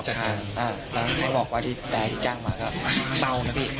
แข่บอกว่าแดดที่จ้างมาแบบเบา